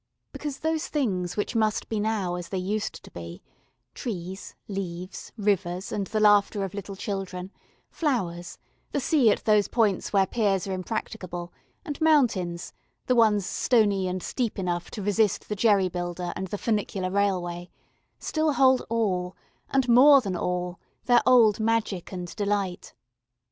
Because those things which must be now as they used to be, trees, leaves, rivers, and the laughter of little children, flowers, the sea at those points where piers are impracticable, and mountains the ones stony and steep enough to resist the jerry builder and the funicular railway still hold all, and more than all, their old magic and delight.